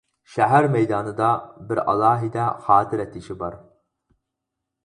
شەھەر مەيدانىدا بىر ئالاھىدە خاتىرە تېشى بار.